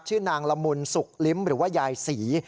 ชื่อนางละมุนสุกลิ้มหรือว่ายายศรี